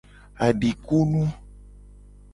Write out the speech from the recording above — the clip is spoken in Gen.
Adikunu.